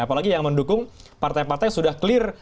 apalagi yang mendukung partai partai sudah clear